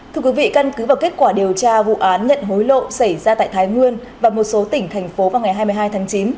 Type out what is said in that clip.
thưa quý vị căn cứ vào kết quả điều tra vụ án nhận hối lộ xảy ra tại thái nguyên và một số tỉnh thành phố vào ngày hai mươi hai tháng chín